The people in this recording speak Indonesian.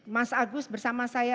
mas agus bersama saya